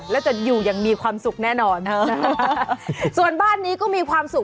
แล้วจะอยู่อย่างมีความสุขแน่นอนส่วนบ้านนี้ก็มีความสุข